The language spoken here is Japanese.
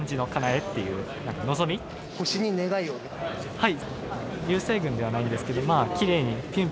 はい。